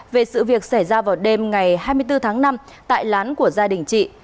về sự việc xảy ra vào đêm ngày hai mươi bốn tháng năm tại lán của gia đình chị